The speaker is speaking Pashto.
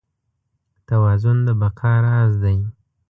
توازن د بقا راز دی.